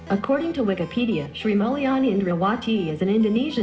according to wikipedia sri mulyani indrawati is an indonesian